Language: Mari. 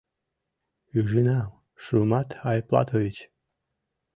— Ӱжынам, Шумат Айплатович!